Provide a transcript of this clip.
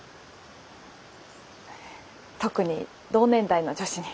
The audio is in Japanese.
特に同年代の女子に。